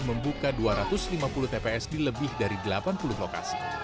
membuka dua ratus lima puluh tps di lebih dari delapan puluh lokasi